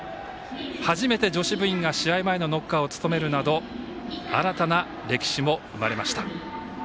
初めて女子部員が試合前のノッカーを務めるなど新たな歴史も生まれました。